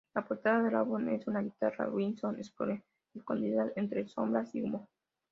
La portada del álbum es una guitarra Gibson Explorer escondida entre sombras y humo.